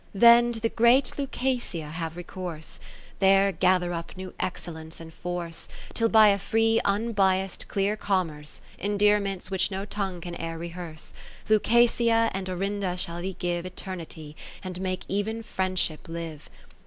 Then to the great Lucasia have recourse, There gather up new excellence and force, Till by a free unbiass'd clear com merce. Endearments which no tongue can e'er rehearse. * This form once more. (566) On Rosa?tids Apostasy Lucasia and Orinda shall thee give Eternity, and make even Friendship live.